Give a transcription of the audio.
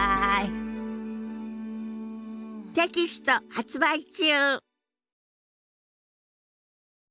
テキスト発売中。